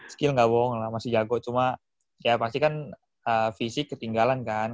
skill gak bohong lah masih jago cuma ya pasti kan fisik ketinggalan kan